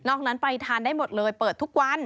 นั้นไปทานได้หมดเลยเปิดทุกวัน